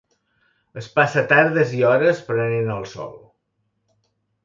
Es passa tardes i hores prenent el sol.